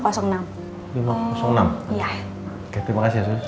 oke terima kasih ya